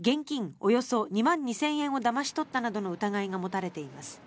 およそ２万２０００円をだまし取ったなどの疑いが持たれています。